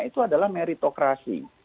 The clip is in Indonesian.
itu adalah meritokrasi